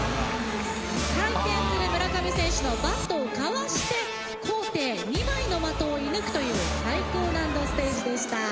回転する村上選手のバットをかわして高低２枚の的を射ぬくという最高難度ステージでした。